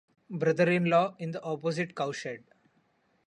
brother-in-law, in the opposite cow shed